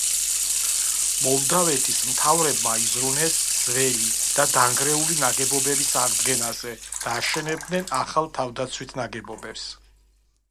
მოლდავეთის მთავრებმა იზრუნეს ძველი და დანგრეული ნაგებობების აღდგენაზე და აშენებდნენ ახალ თავდაცვით ნაგებობებს.